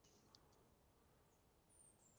蓝果弯贝介为弯贝介科弯贝介属下的一个种。